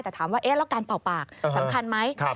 แต่ถามว่าแล้วการเป่าปากสำคัญไหม